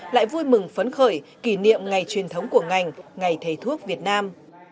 lại vui mừng phấn khởi kỷ niệm ngày truyền thống của ngành ngày thầy thuốc việt nam